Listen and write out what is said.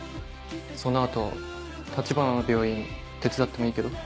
その後橘の病院手伝ってもいいけど。